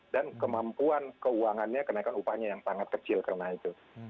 dan kemampuan keuangannya kenaikan upahnya yang sangat kecil karena itu